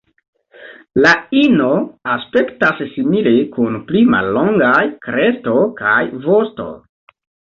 La ino aspektas simile, kun pli mallongaj kresto kaj vosto.